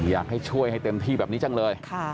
อยากให้ช่วยให้เต็มที่แบบนี้จังเลย